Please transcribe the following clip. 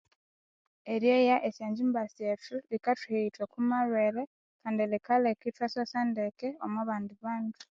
Eryoya esyongyimba syethu likathuhighitha okwa amalhwere kandi likaleka ithwasosa ndeke omwa abandi bandu.